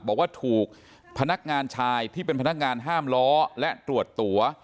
บอกว่าถูกพนักงานชายที่เป็นพนักงานห้ามล้อและตรวจตัว